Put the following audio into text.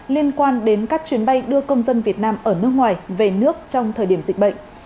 liên quan đến các chuyến bay đưa công dân việt nam ở nước ngoài về nước trong thời điểm dịch bệnh